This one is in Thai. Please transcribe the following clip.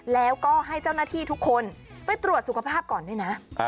แล้วก็ให้เจ้าหน้าที่ทุกคนไปตรวจสุขภาพก่อนด้วยนะ